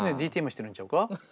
ＤＴＭしてるんちゃうか？